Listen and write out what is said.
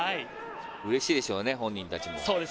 うれしいでしょうね、本人たちも。